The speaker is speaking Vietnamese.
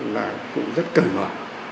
là cũng rất cờ mở